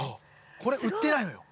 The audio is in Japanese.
これ売ってないのよ。